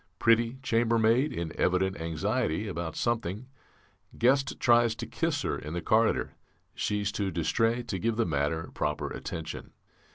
Pretty chambermaid in evident anxiety about something; guest tries to kiss her in the corridor; she's too distrait to give the matter proper attention.